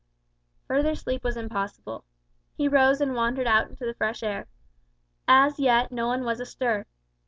Further sleep was impossible. He rose, and wandered out into the fresh air. As yet no one was astir.